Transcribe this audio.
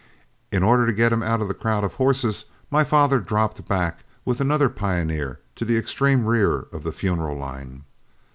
In order to get him out of the crowd of horses, my father dropped back with another pioneer to the extreme rear of the funeral line.